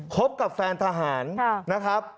คบกับแฟนทหารนะครับ